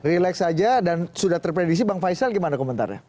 relax saja dan sudah terpredisi bang faisal gimana komentarnya